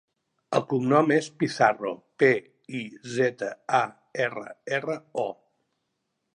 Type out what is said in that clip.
El cognom és Pizarro: pe, i, zeta, a, erra, erra, o.